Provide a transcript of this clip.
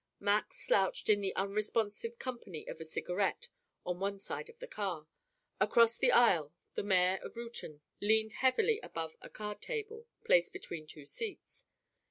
Max slouched in the unresponsive company of a cigarette on one side of the car; across the aisle the mayor of Reuton leaned heavily above a card table placed between two seats.